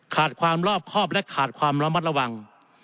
ขาดความรอบครอบและขาดความระมัดระวัง